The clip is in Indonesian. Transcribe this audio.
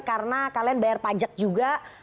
karena kalian bayar pajak juga